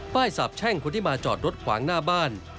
สาบแช่งคนที่มาจอดรถขวางหน้าบ้าน